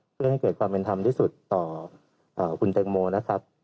เพื่อให้เกิดความเป็นธรรมที่สุดต่อคุณแตงโมนะครับ